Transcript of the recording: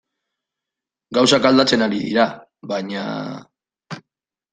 Gauzak aldatzen ari dira, baina...